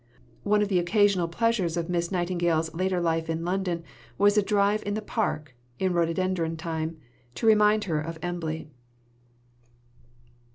One of the occasional pleasures of Miss Nightingale's later life in London was a drive in the Park, in rhododendron time, "to remind her of Embley."